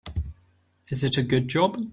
Is it a good job?